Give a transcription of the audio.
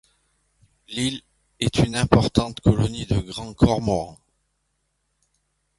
L'île est un importante colonie de Grand Cormoran.